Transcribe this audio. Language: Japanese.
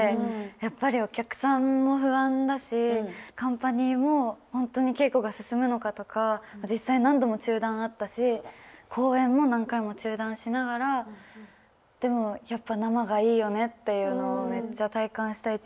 やっぱりお客さんも不安だしカンパニーも本当に稽古が進むのかとか実際何度も中断あったし公演も何回も中断しながらでもやっぱ生がいいよねっていうのをめっちゃ体感した一年で。